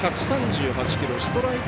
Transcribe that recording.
１３８キロ。